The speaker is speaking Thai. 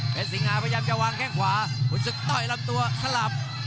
เป็นสิงหาพยายามจะวางแข้งขวาขุนศึกต่อยลำตัวสลับ